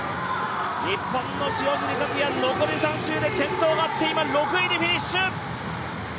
日本の塩尻和也、残り３周で転倒があって今、６位でフィニッシュ。